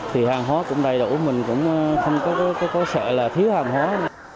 thì hàng hóa cũng đầy đủ mình cũng không có sợ là thiếu hàng hóa